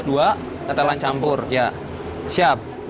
dibungkus dua kegantian campur ya siap